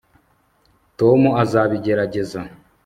tom azabigerageza